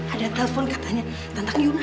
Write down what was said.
ada telepon katanya tentang gimana